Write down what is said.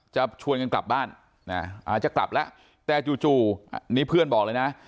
จะชวนกันกลับบ้านอาจจะกลับแล้วแต่จู่อันนี้เพื่อนบอกเลยนะ